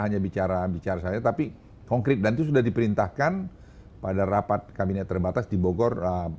hanya bicara bicara saja tapi konkret dan itu sudah diperintahkan pada rapat kabinet terbatas di bogor